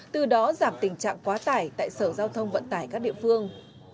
từ đó giảm tình trạng quá tải tại sở giao thông vận tải các địa phương